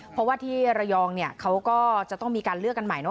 เพราะว่าที่ระยองเนี่ยเขาก็จะต้องมีการเลือกกันใหม่เนอ